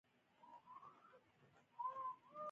ټول تحریک د مولویانو له خوا رهبري کېږي.